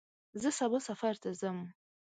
زه سبا سفر ته ځم.